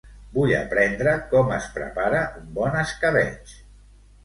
Vull aprendre com es prepara un bon escabetx.